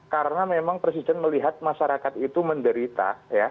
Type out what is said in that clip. karena memang presiden melihat masyarakat itu menderita